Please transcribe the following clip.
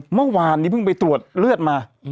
เมื่อวานนี้เพิ่งไปตรวจเลือดมา